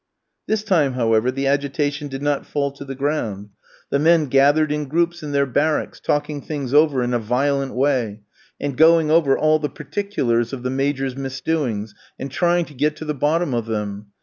This time, however, the agitation did not fall to the ground. The men gathered in groups in their barracks, talking things over in a violent way, and going over all the particulars of the Major's misdoings, and trying to get to the bottom of them.